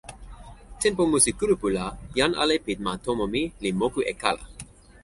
tenpo musi kulupu la jan ale pi ma tomo mi li moku e kala.